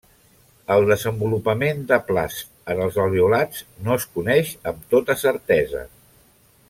El desenvolupament de plasts en els alveolats no es coneix amb tota certesa.